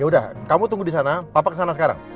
yaudah kamu tunggu di sana papa kesana sekarang